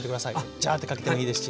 ジャーッてかけてもいいですし。